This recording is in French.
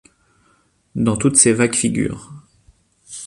Dans toutes ces vagues figures